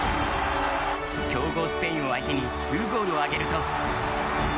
強豪スペインを相手に２ゴールを挙げると。